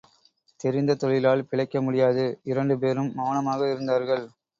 தெரிந்த தொழிலால் பிழைக்க முடியாது இரண்டு பேரும் மெளனமாக இருந்தார்கள்.